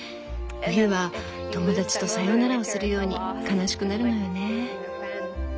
冬は友達とサヨナラをするように悲しくなるのよね。